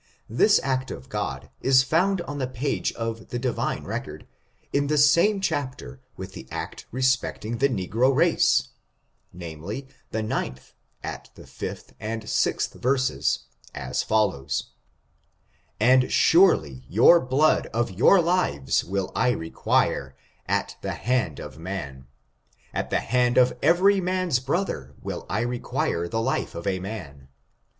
This act of God is found on the page of the Divine record, in the same chapter with the act respecting the negro race, name ly, the ixth, at the 6th and 6th verses, as follows :And surely your blood of your lives will I require at the hand of man : at the hand of every man's brother will I require the life of man.